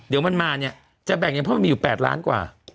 เดี๋ยวมันมาเนี่ยจะแบ่งยังเพราะมันมีอยู่๘ล้านกว่า